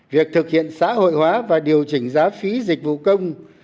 việc thực hiện xã hội hóa và điều chỉnh giá phí dịch vụ công